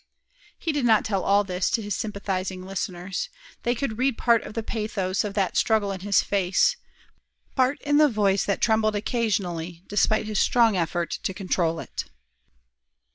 He did not tell all this to his sympathizing listeners. They could read part of the pathos of that struggle in his face, part in the voice that trembled occasionally, despite his strong effort to control it.